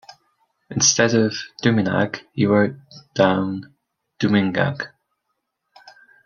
Instead of "Duminag", he wrote down "Dumingag".